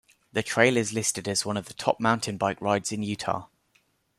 The trail is listed as one of the top mountain bike rides in Utah.